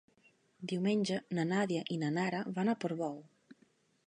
Diumenge na Nàdia i na Nara van a Portbou.